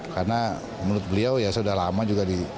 karena menurut beliau ya sudah lama juga di